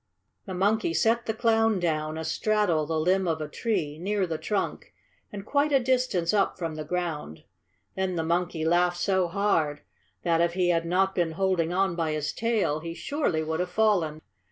The monkey set the Clown down astraddle the limb of a tree near the trunk, and quite a distance up from the ground. Then the monkey laughed so hard that, if he had not been holding on by his tail, he surely would have fallen.